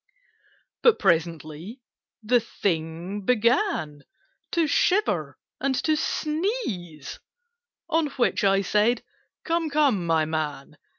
But presently the Thing began To shiver and to sneeze: On which I said "Come, come, my man!